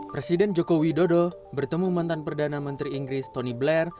presiden joko widodo bertemu mantan perdana menteri inggris tony blair